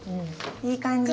いい感じ。